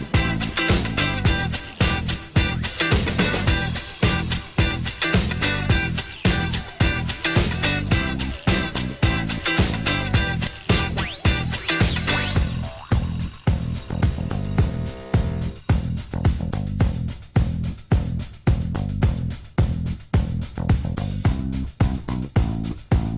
โปรดติดตามตอนต่อไป